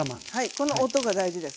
この音が大事です。